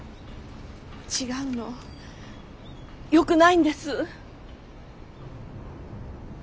違うのよくないんです。